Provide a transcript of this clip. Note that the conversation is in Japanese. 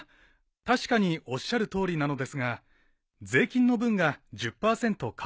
確かにおっしゃるとおりなのですが税金の分が１０％加算されるのです。